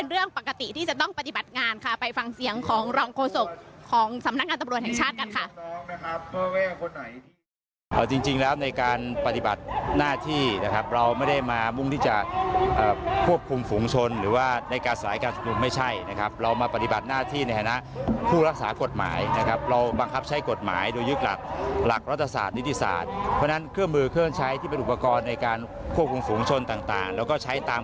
เอาจริงจริงแล้วในการปฏิบัติหน้าที่นะครับเราไม่ได้มามุ่งที่จะควบคุมฝูงชนหรือว่าในการสลายการสมุมไม่ใช่นะครับเรามาปฏิบัติหน้าที่ในฐานะผู้รักษากฎหมายนะครับเราบังคับใช้กฎหมายโดยยืกหลักหลักรัฐศาสตร์นิทธิศาสตร์เพราะฉะนั้นเครื่องมือเครื่องใช้ที่เป็นอุปกรณ์ในการควบคุม